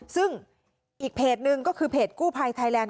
ซึ่งอีกเพจหนึ่งก็คือเพจกู้ภัยไทยแลนด